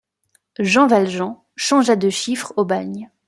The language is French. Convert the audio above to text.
Jean Valjean changea de chiffre au bagne.